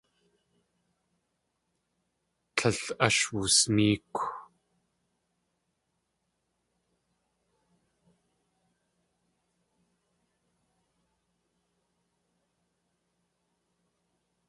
Tlél ash wusnéekw.